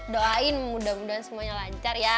doain semoga semuanya lancar ya